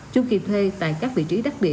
chu kỳ thuê tại các vị trí đắc địa